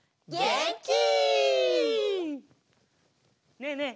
ねえねえ